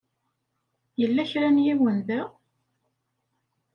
Yella kra n yiwen da?